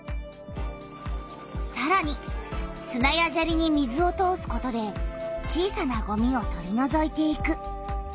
さらにすなやジャリに水を通すことで小さなゴミを取りのぞいていく。